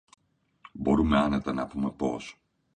μπορούμε άνετα να πούμε πως: